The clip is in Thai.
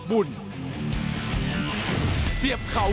สวัสดีครับ